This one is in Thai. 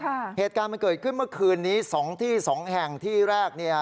เหตุการณ์มันเกิดขึ้นเมื่อคืนนี้สองที่สองแห่งที่แรกเนี่ย